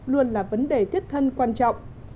luôn là vấn đề thiết thân quan trọng